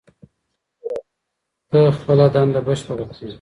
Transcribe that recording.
کله به ته خپله دنده بشپړه کړې؟